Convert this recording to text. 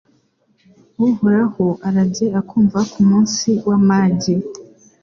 Uhoraho arajye akumva ku munsi w’amage